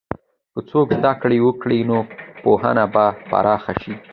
که څوک زده کړه وکړي، نو پوهه به پراخه شي.